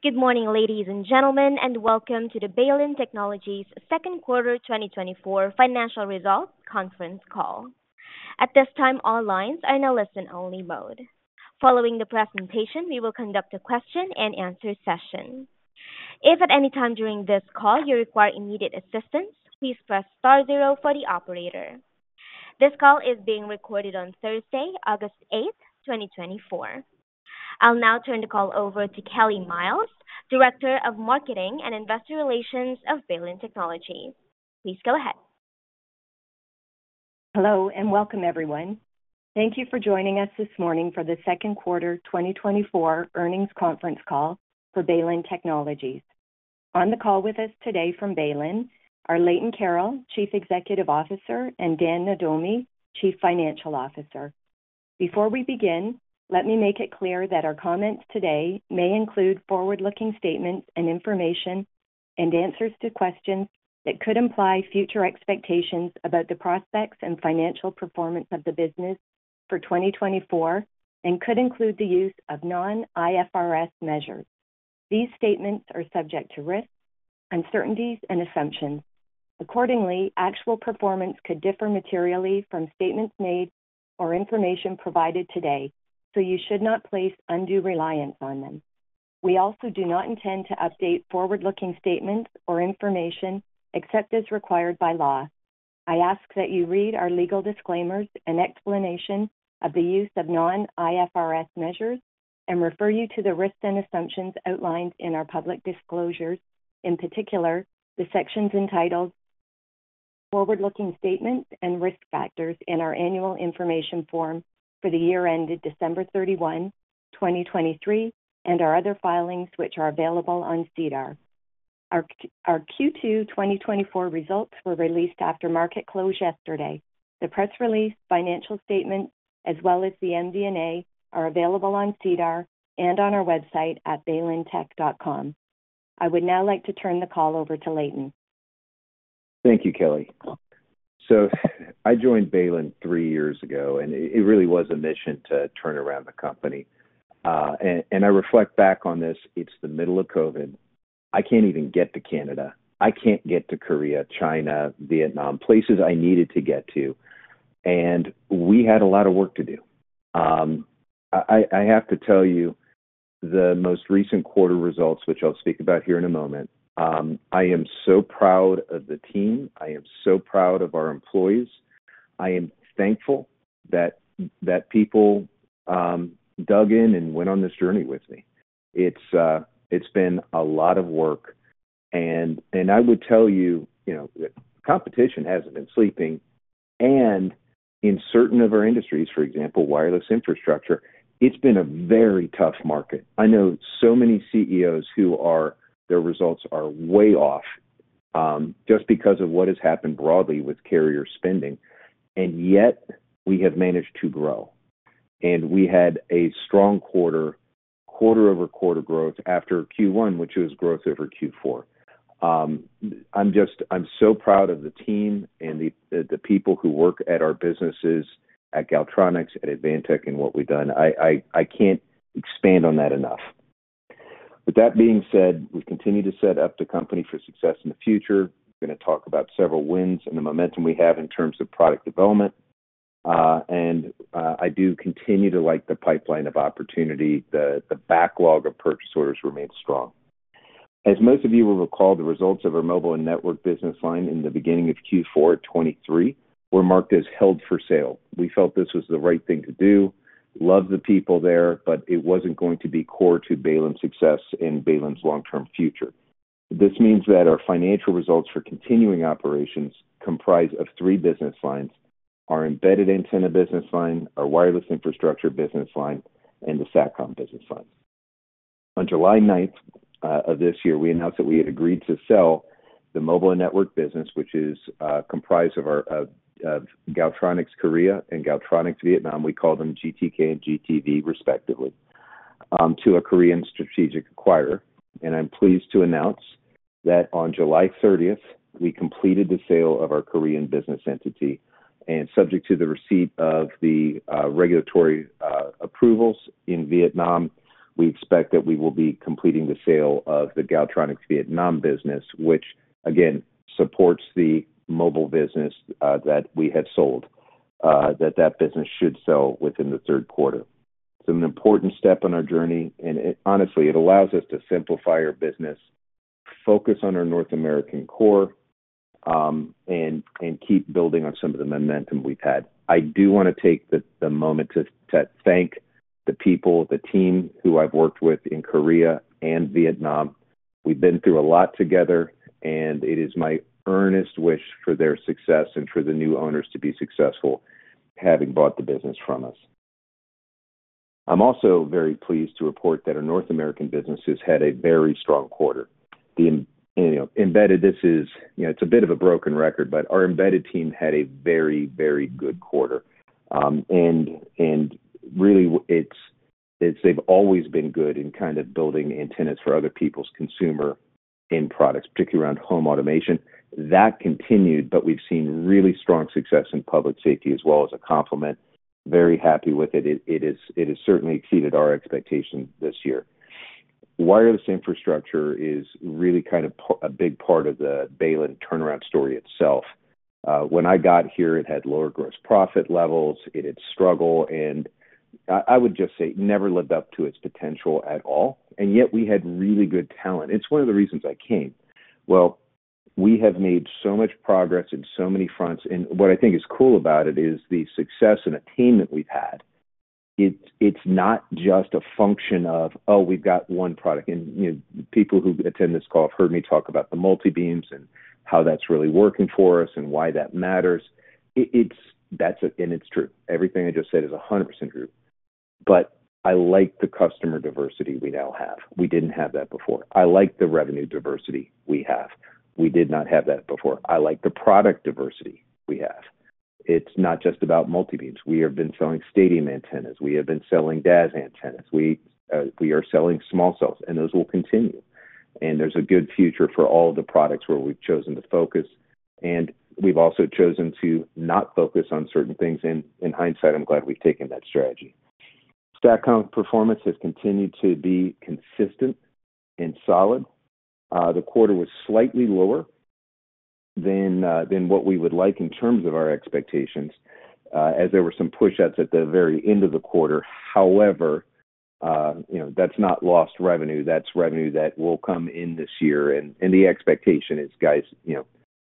Good morning, ladies and gentlemen, and welcome to the Baylin Technologies Second Quarter 2024 Financial Results Conference Call. At this time, all lines are in a listen-only mode. Following the presentation, we will conduct a question-and-answer session. If at any time during this call you require immediate assistance, please press star zero for the operator. This call is being recorded on Thursday, August 8, 2024. I'll now turn the call over to Kelly Myles, Director of Marketing and Investor Relations of Baylin Technologies. Please go ahead. Hello, and welcome, everyone. Thank you for joining us this morning for the Second Quarter 2024 Earnings Conference Call for Baylin Technologies. On the call with us today from Baylin are Leighton Carroll, Chief Executive Officer, and Dan Nohdomi, Chief Financial Officer. Before we begin, let me make it clear that our comments today may include forward-looking statements and information and answers to questions that could imply future expectations about the prospects and financial performance of the business for 2024, and could include the use of non-IFRS measures. These statements are subject to risks, uncertainties and assumptions. Accordingly, actual performance could differ materially from statements made or information provided today, so you should not place undue reliance on them. We also do not intend to update forward-looking statements or information except as required by law. I ask that you read our legal disclaimers and explanation of the use of non-IFRS measures and refer you to the risks and assumptions outlined in our public disclosures, in particular, the sections entitled Forward-Looking Statements and Risk Factors in our Annual Information Form for the year ended December 31, 2023, and our other filings, which are available on SEDAR. Our Q2 2024 results were released after market close yesterday. The press release, financial statement, as well as the MD&A, are available on SEDAR and on our website at baylintech.com. I would now like to turn the call over to Leighton. Thank you, Kelly. So I joined Baylin three years ago, and it really was a mission to turn around the company. I reflect back on this, it's the middle of COVID. I can't even get to Canada. I can't get to Korea, China, Vietnam, places I needed to get to, and we had a lot of work to do. I have to tell you, the most recent quarter results, which I'll speak about here in a moment, I am so proud of the team. I am so proud of our employees. I am thankful that people dug in and went on this journey with me. It's been a lot of work, and I would tell you, you know, competition hasn't been sleeping, and in certain of our industries, for example, wireless infrastructure, it's been a very tough market. I know so many CEOs who are, their results are way off, just because of what has happened broadly with carrier spending, and yet we have managed to grow. And we had a strong quarter, quarter-over-quarter growth after Q1, which was growth over Q4. I'm so proud of the team and the people who work at our businesses, at Galtronics, at Advantech, and what we've done. I can't expand on that enough. With that being said, we continue to set up the company for success in the future. We're gonna talk about several wins and the momentum we have in terms of product development. And I do continue to like the pipeline of opportunity. The backlog of purchase orders remains strong. As most of you will recall, the results of our mobile and network business line in the beginning of Q4 2023 were marked as held for sale. We felt this was the right thing to do, love the people there, but it wasn't going to be core to Baylin's success and Baylin's long-term future. This means that our financial results for continuing operations comprise of three business lines: our Embedded Antenna Business Line, our Wireless Infrastructure Business Line, and the Satcom Business Line. On July 9th of this year, we announced that we had agreed to sell the Mobile and Network Business, which is comprised of our Galtronics Korea and Galtronics Vietnam, we call them GTK and GTV, respectively, to a Korean strategic acquirer. I'm pleased to announce that on July 30th, we completed the sale of our Korean business entity, and subject to the receipt of the regulatory approvals in Vietnam, we expect that we will be completing the sale of the Galtronics Vietnam business, which again supports the mobile business that we had sold, that that business should sell within the third quarter. It's an important step on our journey, and it, honestly, it allows us to simplify our business, focus on our North American core, and keep building on some of the momentum we've had. I do want to take the moment to thank the people, the team who I've worked with in Korea and Vietnam. We've been through a lot together, and it is my earnest wish for their success and for the new owners to be successful, having bought the business from us. I'm also very pleased to report that our North American businesses had a very strong quarter. The embedded, you know... You know, it's a bit of a broken record, but our embedded team had a very, very good quarter. And really, they've always been good in kind of building antennas for other people's consumer end products, particularly around home automation. That continued, but we've seen really strong success in public safety as well as a complement. Very happy with it. It has certainly exceeded our expectations this year. Wireless infrastructure is really kind of a big part of the Baylin turnaround story itself. When I got here, it had lower gross profit levels. It had struggled, and I would just say never lived up to its potential at all, and yet we had really good talent. It's one of the reasons I came. Well, we have made so much progress in so many fronts, and what I think is cool about it is the success and the team that we've had. It's not just a function of, oh, we've got one product. And, you know, people who attend this call have heard me talk about the multi-beams and how that's really working for us and why that matters. That's true. Everything I just said is 100% true, but I like the customer diversity we now have. We didn't have that before. I like the revenue diversity we have. We did not have that before. I like the product diversity we have. It's not just about multibeams. We have been selling stadium antennas. We have been selling DAS antennas. We are selling small cells, and those will continue. There's a good future for all of the products where we've chosen to focus, and we've also chosen to not focus on certain things. In hindsight, I'm glad we've taken that strategy. Stack performance has continued to be consistent and solid. The quarter was slightly lower than what we would like in terms of our expectations, as there were some pushouts at the very end of the quarter. However, you know, that's not lost revenue. That's revenue that will come in this year, and the expectation is, guys, you know,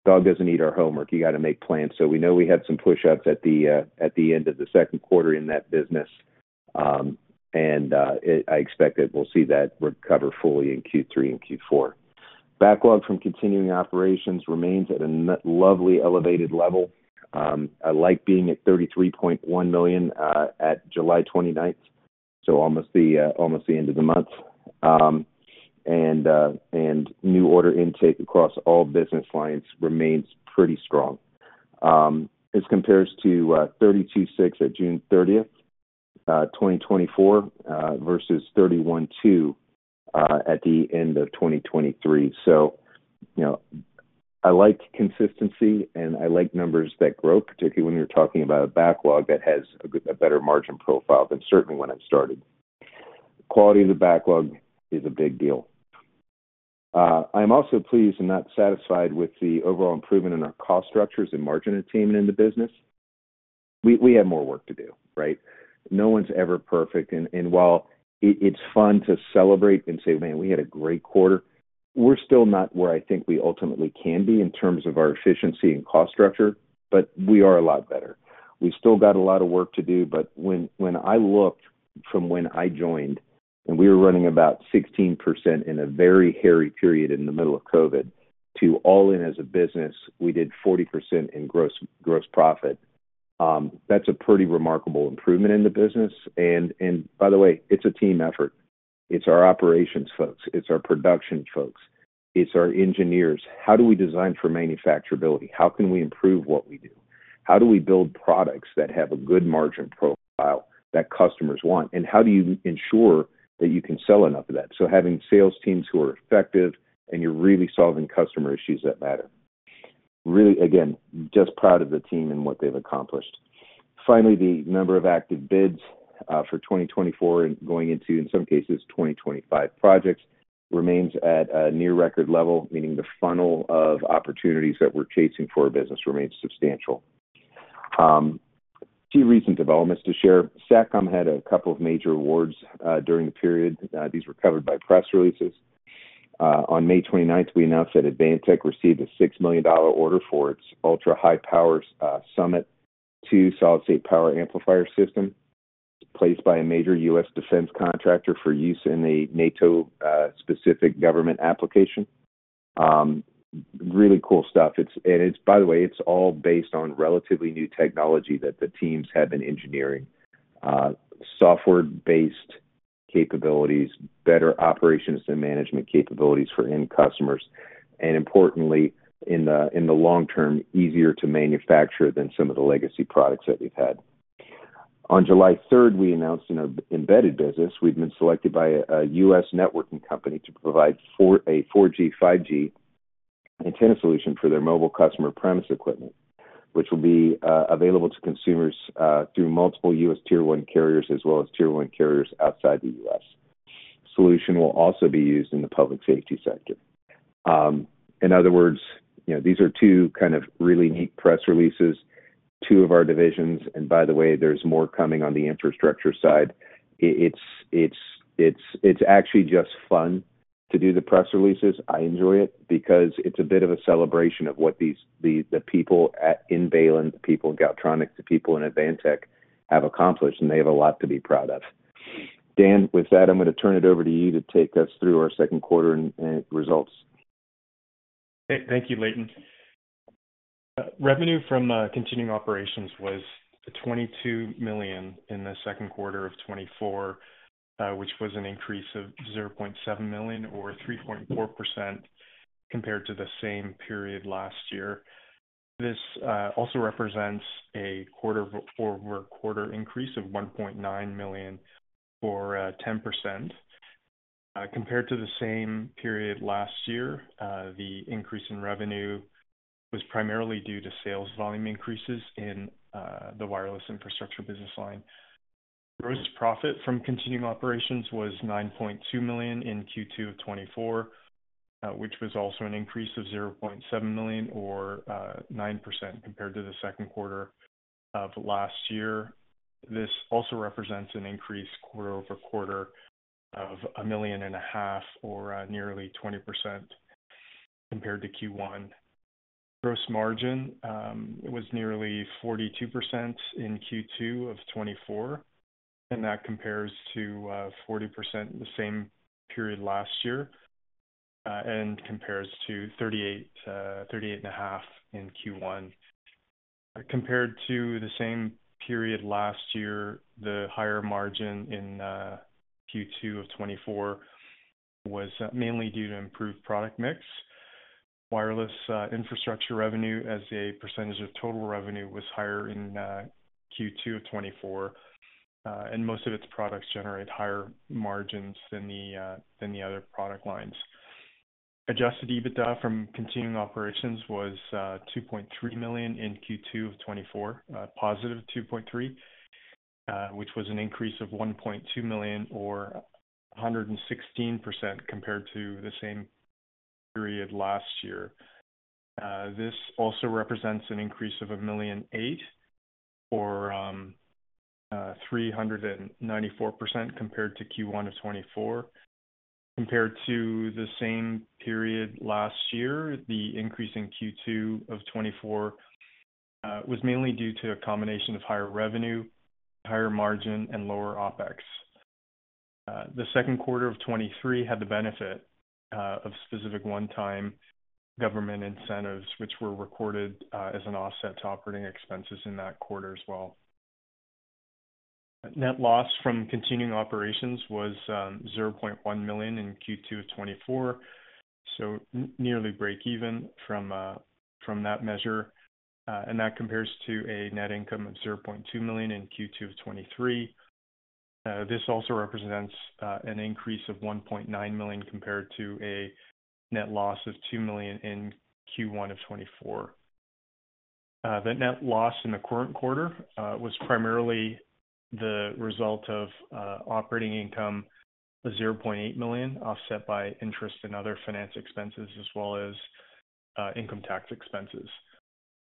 dog doesn't eat our homework. You got to make plans. So we know we had some pushouts at the end of the second quarter in that business. I expect that we'll see that recover fully in Q3 and Q4. Backlog from continuing operations remains at a notably elevated level. I like being at 33.1 million at July 29, so almost the end of the month. And new order intake across all business lines remains pretty strong. This compares to 32.6 million at June 30, 2024, versus 31.2 million at the end of 2023. So, you know, I like consistency, and I like numbers that grow, particularly when you're talking about a backlog that has a better margin profile than certainly when I started. Quality of the backlog is a big deal. I'm also pleased and not satisfied with the overall improvement in our cost structures and margin attainment in the business. We have more work to do, right? No one's ever perfect, and while it's fun to celebrate and say, "Man, we had a great quarter," we're still not where I think we ultimately can be in terms of our efficiency and cost structure, but we are a lot better. We've still got a lot of work to do, but when I look from when I joined and we were running about 16% in a very hairy period in the middle of COVID to all in as a business, we did 40% in gross profit. That's a pretty remarkable improvement in the business. And by the way, it's a team effort. It's our operations folks, it's our production folks, it's our engineers. How do we design for manufacturability? How can we improve what we do? How do we build products that have a good margin profile that customers want? And how do you ensure that you can sell enough of that? So having sales teams who are effective, and you're really solving customer issues that matter. Really, again, just proud of the team and what they've accomplished. Finally, the number of active bids for 2024 and going into, in some cases, 2025 projects, remains at a near record level, meaning the funnel of opportunities that we're chasing for our business remains substantial. Two recent developments to share. Satcom had a couple of major awards during the period. These were covered by press releases. On May 29, we announced that Advantech received a $6 million order for its ultra-high power Summit II Solid State Power Amplifier System, placed by a major U.S. defense contractor for use in a NATO specific government application. Really cool stuff. It's, by the way, all based on relatively new technology that the teams have been engineering. Software-based capabilities, better operations and management capabilities for end customers, and importantly, in the long term, easier to manufacture than some of the legacy products that we've had. On July third, we announced in our embedded business, we've been selected by a U.S. networking company to provide a 4G, 5G antenna solution for their mobile customer premise equipment, which will be available to consumers through multiple U.S. Tier 1 carriers, as well as Tier 1 carriers outside the U.S.. Solution will also be used in the public safety sector. In other words, you know, these are two kind of really neat press releases, two of our divisions, and by the way, there's more coming on the infrastructure side. It's actually just fun to do the press releases. I enjoy it because it's a bit of a celebration of what the people at Baylin, the people in Galtronics, the people in Advantech have accomplished, and they have a lot to be proud of. Dan, with that, I'm gonna turn it over to you to take us through our second quarter and results. Thank you, Leighton. Revenue from continuing operations was 22 million in the second quarter of 2024, which was an increase of 0.7 million or 3.4% compared to the same period last year. This also represents a quarter-over-quarter increase of 1.9 million or 10%. Compared to the same period last year, the increase in revenue was primarily due to sales volume increases in the wireless infrastructure business line. Gross profit from continuing operations was 9.2 million in Q2 of 2024, which was also an increase of 0.7 million or 9% compared to the second quarter of last year. This also represents an increase quarter-over-quarter of 1.5 million, or nearly 20% compared to Q1. Gross margin was nearly 42% in Q2 of 2024, and that compares to 40% the same period last year, and compares to 38.5% in Q1. Compared to the same period last year, the higher margin in Q2 of 2024 was mainly due to improved product mix. Wireless infrastructure revenue as a % of total revenue was higher in Q2 of 2024, and most of its products generate higher margins than the other product lines. Adjusted EBITDA from continuing operations was 2.3 million in Q2 of 2024, +ve 2.3 million, which was an increase of 1.2 million or 116% compared to the same period last year. This also represents an increase of 1.8 million or 394% compared to Q1 of 2024. Compared to the same period last year, the increase in Q2 of 2024 was mainly due to a combination of higher revenue, higher margin, and lower OpEx. The second quarter of 2023 had the benefit of specific one-time government incentives, which were recorded as an offset to operating expenses in that quarter as well. Net loss from continuing operations was 0.1 million in Q2 of 2024, so nearly breakeven from that measure, and that compares to a net income of 0.2 million in Q2 of 2023. This also represents an increase of 1.9 million compared to a net loss of 2 million in Q1 of 2024. The net loss in the current quarter was primarily the result of operating income of 0.8 million, offset by interest in other finance expenses as well as income tax expenses.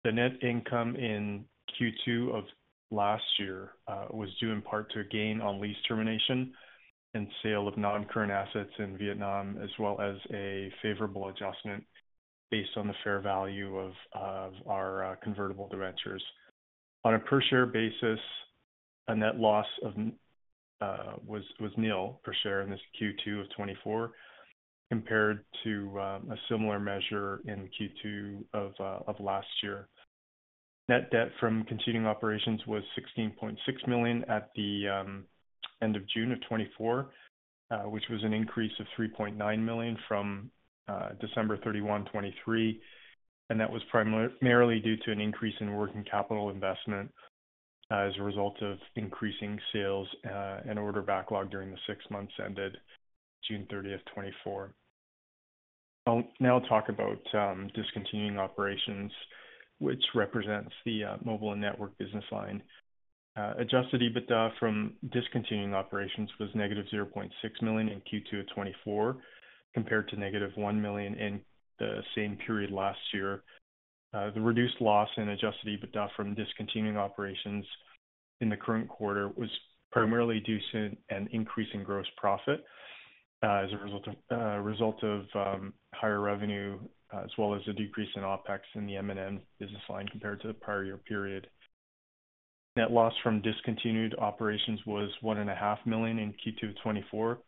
The net income in Q2 of last year was due in part to a gain on lease termination and sale of non-current assets in Vietnam, as well as a favorable adjustment based on the fair value of our convertible debentures. On a per share basis, a net loss of was nil per share in this Q2 of 2024, compared to a similar measure in Q2 of last year. Net debt from continuing operations was 16.6 million at the end of June 2024, which was an increase of 3.9 million from December 31, 2023, and that was primarily due to an increase in working capital investment as a result of increasing sales and order backlog during the six months ended June 30, 2024. I'll now talk about discontinuing operations, which represents the mobile and network business line. Adjusted EBITDA from discontinuing operations was -ve 0.6 million in Q2 of 2024, compared to -ve 1 million in the same period last year. The reduced loss in Adjusted EBITDA from discontinued operations in the current quarter was primarily due to an increase in gross profit, as a result of result of higher revenue, as well as a decrease in OpEx in the M&N business line compared to the prior year period. Net loss from discontinued operations was 1.5 million in Q2 of 2024,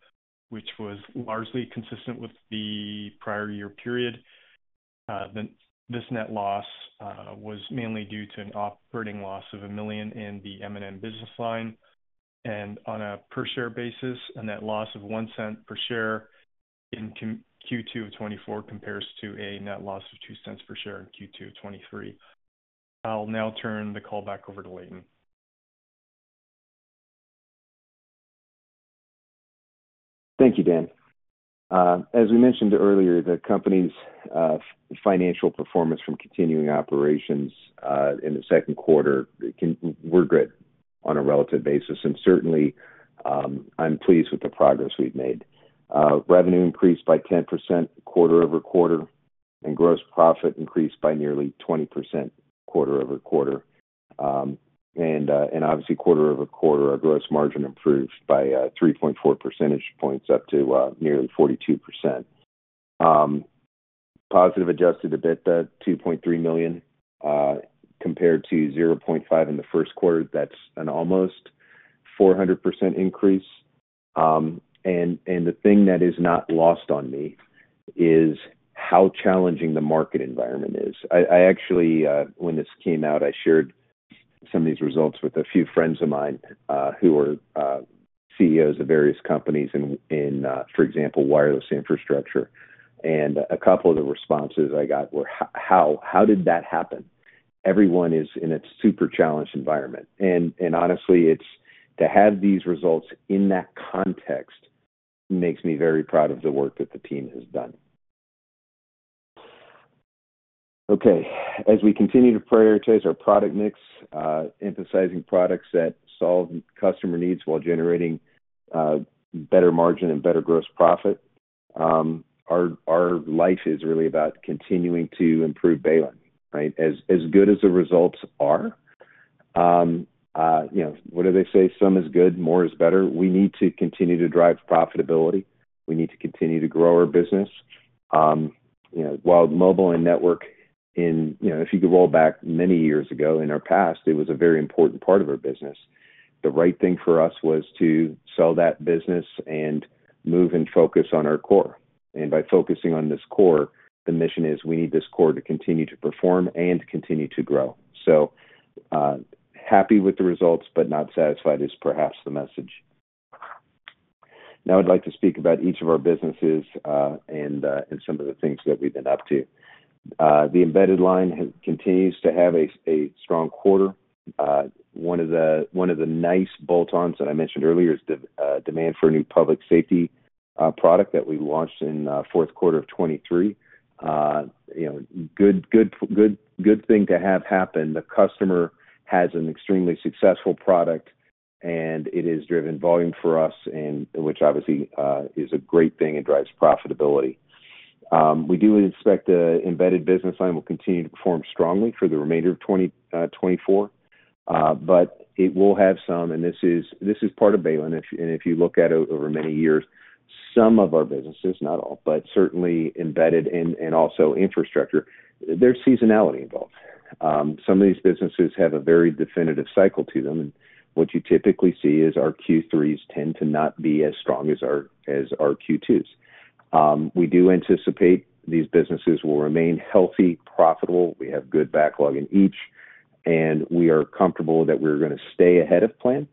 which was largely consistent with the prior year period. Then this net loss was mainly due to an operating loss of 1 million in the M&N business line, and on a per share basis, a net loss of 0.01 per share in Q2 of 2024 compares to a net loss of 0.02 per share in Q2 of 2023. I'll now turn the call back over to Leighton. Thank you, Dan. As we mentioned earlier, the company's financial performance from continuing operations in the second quarter was good on a relative basis, and certainly, I'm pleased with the progress we've made. Revenue increased by 10% quarter-over-quarter, and gross profit increased by nearly 20% quarter-over-quarter. And obviously, quarter-over-quarter, our gross margin improved by 3.4 percentage points up to nearly 42%. Positive Adjusted EBITDA of 2.3 million compared to 0.5 million in the first quarter. That's an almost 400% increase. And the thing that is not lost on me is how challenging the market environment is. I actually, when this came out, I shared-... Some of these results with a few friends of mine, who are CEOs of various companies in, for example, wireless infrastructure. And a couple of the responses I got were: H-how? How did that happen? Everyone is in a super challenged environment, and honestly, it's to have these results in that context makes me very proud of the work that the team has done. Okay, as we continue to prioritize our product mix, emphasizing products that solve customer needs while generating better margin and better gross profit, our life is really about continuing to improve Baylin, right? As good as the results are, you know, what do they say? Some is good, more is better. We need to continue to drive profitability. We need to continue to grow our business. You know, while mobile and network in... You know, if you could roll back many years ago in our past, it was a very important part of our business. The right thing for us was to sell that business and move and focus on our core. And by focusing on this core, the mission is we need this core to continue to perform and continue to grow. So, happy with the results, but not satisfied is perhaps the message. Now, I'd like to speak about each of our businesses, and some of the things that we've been up to. The embedded line continues to have a strong quarter. One of the nice bolt-ons that I mentioned earlier is the demand for a new public safety product that we launched in fourth quarter of 2023. You know, good, good, good, good thing to have happen. The customer has an extremely successful product, and it has driven volume for us, and which obviously is a great thing and drives profitability. We do expect the embedded business line will continue to perform strongly for the remainder of 2024, but it will have some, and this is part of Baylin. If you look at it over many years, some of our businesses, not all, but certainly embedded and also infrastructure, there's seasonality involved. Some of these businesses have a very definitive cycle to them, and what you typically see is our Q3s tend to not be as strong as our Q2s. We do anticipate these businesses will remain healthy, profitable. We have good backlog in each, and we are comfortable that we're gonna stay ahead of plan,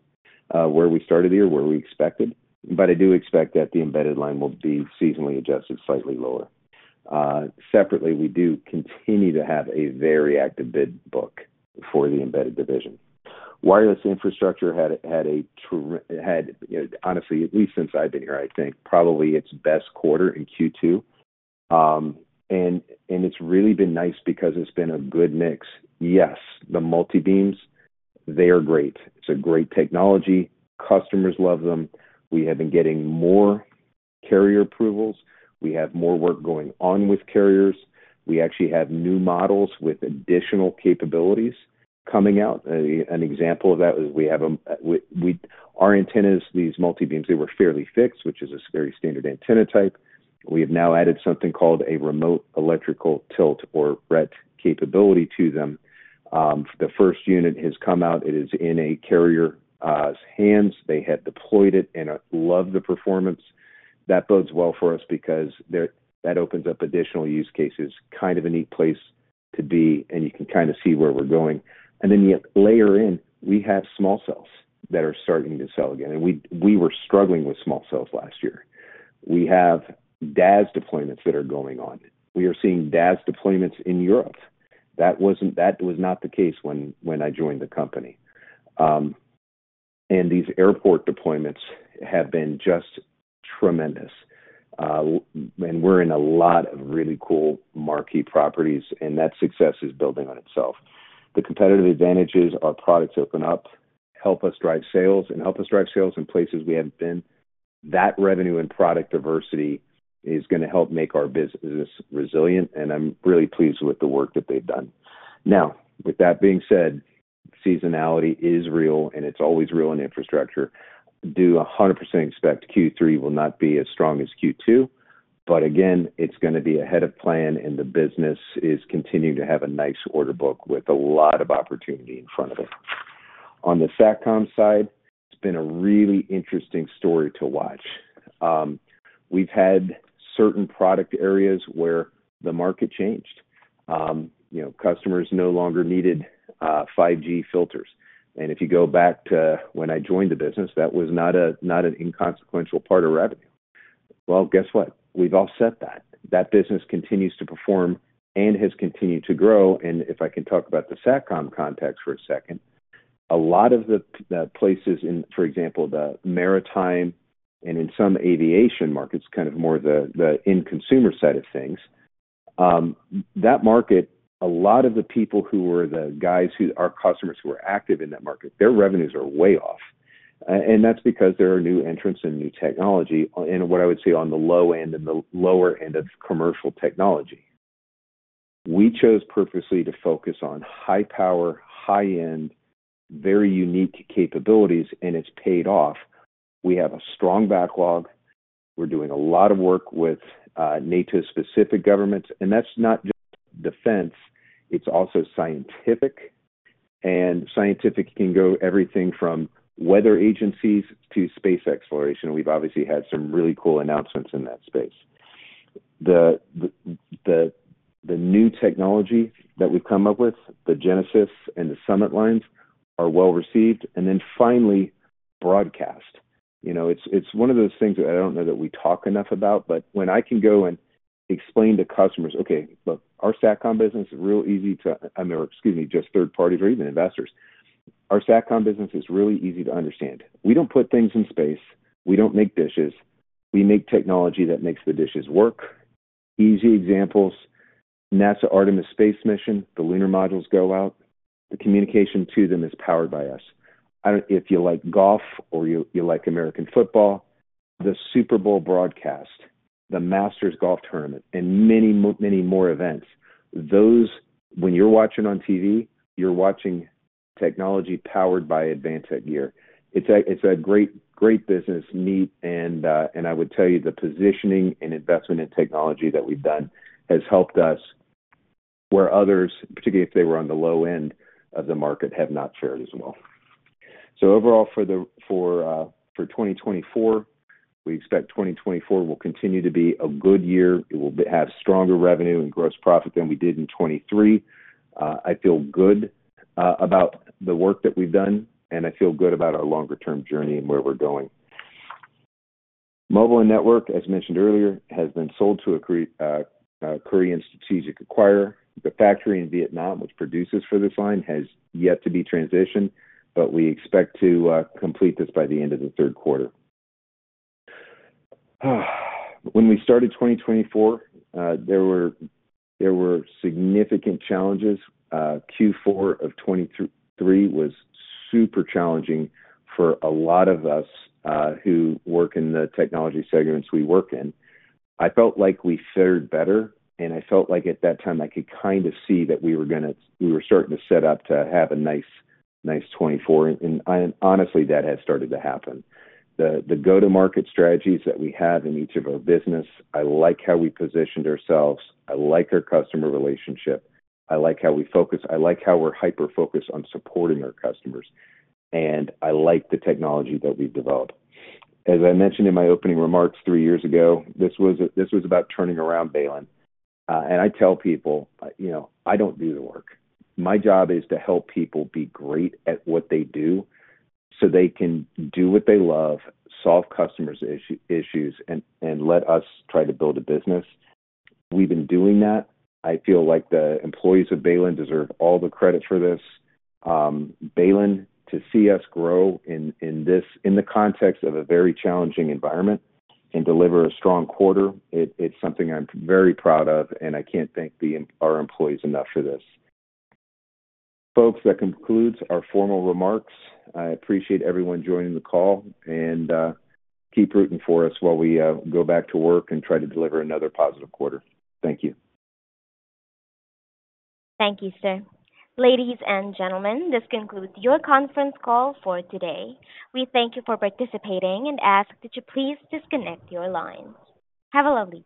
where we started the year, where we expected, but I do expect that the embedded line will be seasonally adjusted, slightly lower. Separately, we do continue to have a very active bid book for the embedded division. Wireless infrastructure had, honestly, at least since I've been here, I think probably its best quarter in Q2. And it's really been nice because it's been a good mix. Yes, the multi-beams, they are great. It's a great technology. Customers love them. We have been getting more carrier approvals. We have more work going on with carriers. We actually have new models with additional capabilities coming out. An example of that is we have our antennas, these multi-beams, they were fairly fixed, which is a very standard antenna type. We have now added something called a remote electrical tilt, or RET capability to them. The first unit has come out. It is in a carrier's hands. They have deployed it and love the performance. That bodes well for us because that opens up additional use cases, kind of a neat place to be, and you can kinda see where we're going. And then you layer in, we have small cells that are starting to sell again, and we were struggling with small cells last year. We have DAS deployments that are going on. We are seeing DAS deployments in Europe. That wasn't That was not the case when I joined the company. and these airport deployments have been just tremendous. and we're in a lot of really cool marquee properties, and that success is building on itself. The competitive advantages our products open up help us drive sales and help us drive sales in places we haven't been. That revenue and product diversity is gonna help make our business resilient, and I'm really pleased with the work that they've done. Now, with that being said, seasonality is real, and it's always real in infrastructure. Do 100% expect Q3 will not be as strong as Q2, but again, it's gonna be ahead of plan, and the business is continuing to have a nice order book with a lot of opportunity in front of it. On the Satcom side, it's been a really interesting story to watch. We've had certain product areas where the market changed. You know, customers no longer needed 5G filters, and if you go back to when I joined the business, that was not an inconsequential part of revenue. Well, guess what? We've all set that. That business continues to perform and has continued to grow, and if I can talk about the Satcom context for a second, a lot of the places in, for example, the maritime and in some aviation markets, kind of more the end consumer side of things, that market, a lot of the people who were the guys who our customers who were active in that market, their revenues are way off. And that's because there are new entrants and new technology in what I would say on the low end and the lower end of commercial technology. We chose purposely to focus on high power, high end, very unique capabilities, and it's paid off. We have a strong backlog. We're doing a lot of work with NATO-specific governments, and that's not just defense, it's also scientific. And scientific can go everything from weather agencies to space exploration. We've obviously had some really cool announcements in that space.... The new technology that we've come up with, the Genesis and the Summit Lines, are well received. And then finally, broadcast. You know, it's one of those things that I don't know that we talk enough about, but when I can go and explain to customers, okay, look, our Satcom Business is real easy to... I mean, or excuse me, just third parties or even investors. Our Satcom Business is really easy to understand. We don't put things in space. We don't make dishes. We make technology that makes the dishes work. Easy examples: NASA Artemis space mission, the lunar modules go out, the communication to them is powered by us. If you like golf or you like American football, the Super Bowl broadcast, the Masters Golf Tournament, and many more, many more events, those, when you're watching on TV, you're watching technology powered by Advantech gear. It's a, it's a great, great business, neat, and I would tell you, the positioning and investment in technology that we've done has helped us, where others, particularly if they were on the low end of the market, have not fared as well. So overall, for 2024, we expect 2024 will continue to be a good year. It will have stronger revenue and gross profit than we did in 2023. I feel good about the work that we've done, and I feel good about our longer-term journey and where we're going. Mobile and network, as mentioned earlier, has been sold to a Korean strategic acquirer. The factory in Vietnam, which produces for this line, has yet to be transitioned, but we expect to complete this by the end of the third quarter. When we started 2024, there were significant challenges. Q4 of 2023 was super challenging for a lot of us who work in the technology segments we work in. I felt like we fared better, and I felt like at that time I could kind of see that we were starting to set up to have a nice, nice 2024, and I... honestly, that has started to happen. The go-to-market strategies that we have in each of our business, I like how we positioned ourselves, I like our customer relationship, I like how we focus, I like how we're hyper-focused on supporting our customers, and I like the technology that we've developed. As I mentioned in my opening remarks three years ago, this was about turning around Baylin. And I tell people, you know, I don't do the work. My job is to help people be great at what they do, so they can do what they love, solve customers issue, issues, and let us try to build a business. We've been doing that. I feel like the employees of Baylin deserve all the credit for this. Baylin, to see us grow in this context of a very challenging environment and deliver a strong quarter, it's something I'm very proud of, and I can't thank our employees enough for this. Folks, that concludes our formal remarks. I appreciate everyone joining the call, and keep rooting for us while we go back to work and try to deliver another positive quarter. Thank you. Thank you, sir. Ladies and gentlemen, this concludes your conference call for today. We thank you for participating and ask that you please disconnect your lines. Have a lovely day.